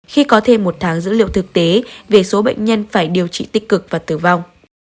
khi có thêm một tháng dữ liệu thực tế về số bệnh nhân phải điều trị tích cực và tử vong